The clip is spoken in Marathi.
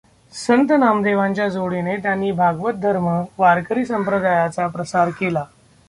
संत नामदेवांच्या जोडीने त्यांनी भागवत धर्म वारकरी संप्रदायाचा प्रसार केला.